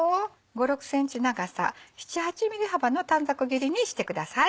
５６ｃｍ長さ７８ｍｍ幅の短冊切りにしてください。